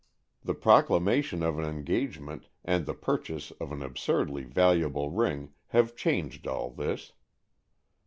The proclamation of an engagement, and the purchase of an absurdly valuable ring, have changed all this.